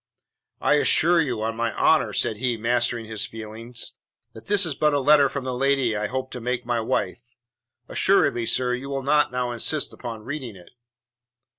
"I assure you, on my honour," said he, mastering his feelings, "that this is but a letter from the lady I hope to make my wife. Assuredly, sir, you will not now insist upon reading it."